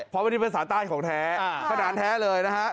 เพราะว่าเป็นภาษาใต้ของแท้ขนาดแท้เลยนะฮะ